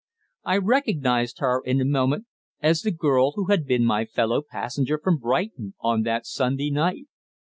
I recognised her in a moment as the girl who had been my fellow passenger from Brighton on that Sunday night.